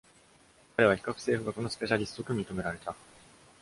彼は、比較政府学のスペシャリストと認められた。